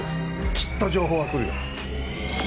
きっと情報は来るよ。